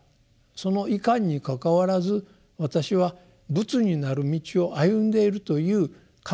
そのいかんにかかわらず私は仏になる道を歩んでいるという確信があるがためにですね